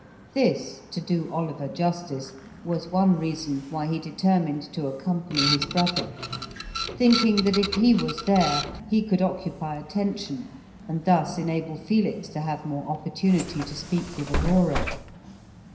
This, to do Oliver justice, was one reason why he determined to accompany his brother, thinking that if he was there he could occupy attention, and thus enable Felix to have more opportunity to speak with Aurora.